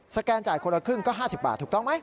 แกนจ่ายคนละครึ่งก็๕๐บาทถูกต้องไหม